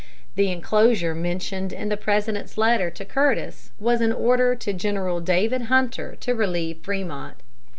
The inclosure mentioned in the President's letter to Curtis was an order to General David Hunter to relieve Frémont.